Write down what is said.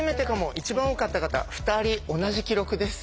一番多かった方２人同じ記録です。